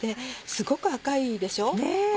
すごく赤いでしょ。ねぇ！